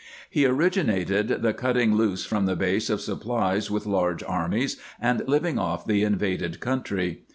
He originated the cutting loose from a base of supplies with large armies and living off the invaded country.